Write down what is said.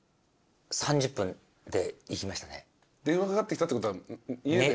電話かかってきたってことは家で。